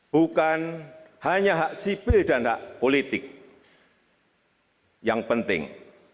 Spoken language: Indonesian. bukan hanya hak sipil dan hak politik yang penting